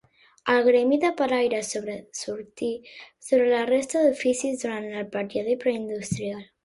El gremi de paraires sobresortí sobre la resta d'oficis durant el període preindustrial.